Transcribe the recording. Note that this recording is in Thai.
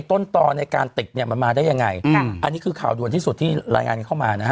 ต้นตรอในการติกมันมาได้อย่างไรอันนี้คือข่าวด่วนที่สุดที่รายงานเข้ามานะครับ